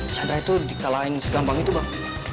chandra itu di kalahin segampang itu bang